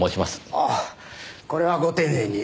ああこれはご丁寧に。